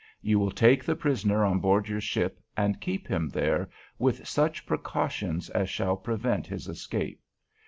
"You will take the prisoner on board your ship, and keep him there with such precautions as shall prevent his escape.